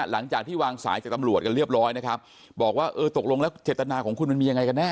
หลังจากที่วางสายจากตำรวจกันเรียบร้อยนะครับบอกว่าเออตกลงแล้วเจตนาของคุณมันมียังไงกันแน่